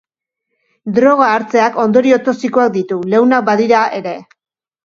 Droga hartzeak ondorio toxikoak ditu, leunak badira ere.